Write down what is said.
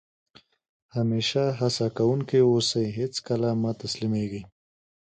همېشه هڅه کوونکی اوسى؛ هېڅ کله مه تسلیمېږئ!